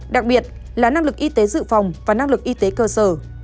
đặc biệt là năng lực y tế dự phòng và năng lực y tế cơ sở